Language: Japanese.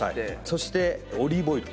そしてオリーブオイル。